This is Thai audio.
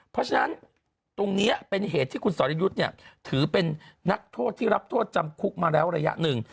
เพราะฉะนั้นตรงนี้เป็นเหตุที่คุณสรยุทธ์เนี่ยถือเป็นนักโทษที่รับโทษจำคุกมาแล้วระยะหนึ่ง